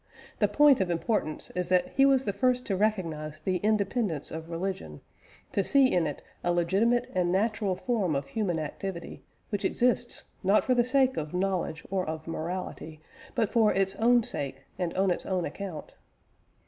The point of importance is that he was the first to recognise the independence of religion, to see in it a legitimate and natural form of human activity, which exists, not for the sake of knowledge or of morality, but for its own sake, and on its own account.